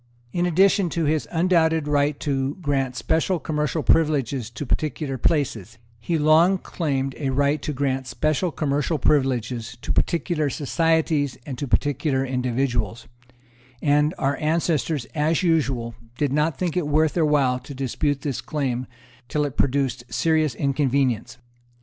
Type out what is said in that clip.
In addition to his undoubted right to grant special commercial privileges to particular places, he long claimed a right to grant special commercial privileges to particular societies and to particular individuals; and our ancestors, as usual, did not think it worth their while to dispute this claim, till it produced serious inconvenience.